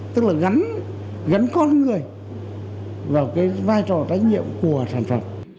tức là gắn con người vào cái vai trò trách nhiệm của sản phẩm